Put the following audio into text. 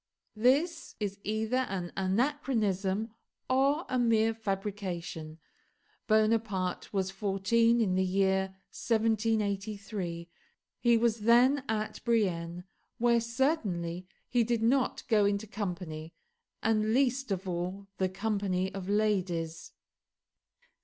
This is either an anachronism or a mere fabrication. Bonaparte was fourteen in the year 1783. He was then at Brienne, where certainly he did not go into company, and least of all the company of ladies.